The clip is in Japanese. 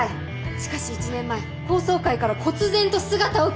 しかし１年前法曹界からこつ然と姿を消した。